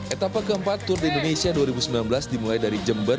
etapa keempat tour de indonesia dua ribu sembilan belas dimulai dari jember